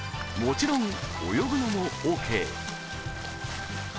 もちろん泳ぐのもオーケー。